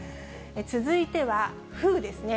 続いては、フーですね。